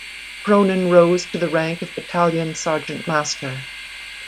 Cronin rose to the rank of Battalion Sgt Master.